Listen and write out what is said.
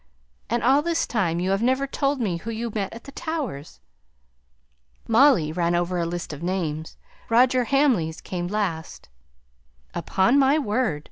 And all this time you have never told me who you met at the Towers?" Molly ran over a list of names. Roger Hamley's came last. "Upon my word!